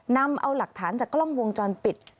นำเอาหลักฐานจากกล้องวงจรปิด